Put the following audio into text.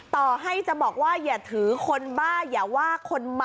ต่อให้จะบอกว่าอย่าถือคนบ้าอย่าว่าคนเมา